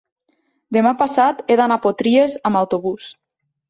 Demà passat he d'anar a Potries amb autobús.